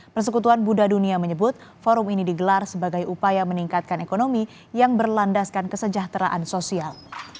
persekutuan buddha dunia menyebut forum ini digelar sebagai upaya meningkatkan ekonomi yang berlandaskan kesejahteraan sosial